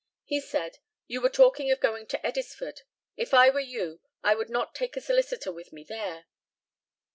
He said, "You were talking of going to Eddisford. If I were you, I would not take a solicitor with me there."